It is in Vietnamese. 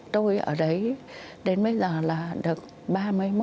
tôi ở đấy đến bây giờ là được ba mươi một năm